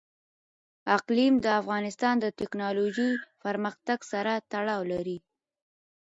اقلیم د افغانستان د تکنالوژۍ پرمختګ سره تړاو لري.